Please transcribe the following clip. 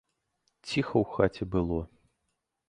Ціха ў хаце было.